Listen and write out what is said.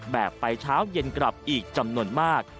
แบบไปเช้าเย็นกลับอีกจำนวนมาก